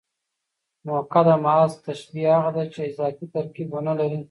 مؤکده محض تشبیه هغه ده، چي اضافي ترکیب و نه لري.